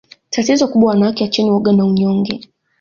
Tatizo kubwa wanawake acheni woga na unyonge